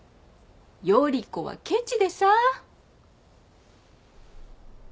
依子はケチでさ。